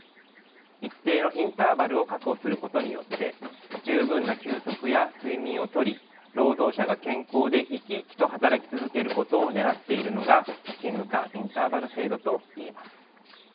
一定のインターバルを確保することによって十分な休息や睡眠をとり労働者が健康で生き生きと働き続けることをねらっているのが勤務間インターバル制度と言えます。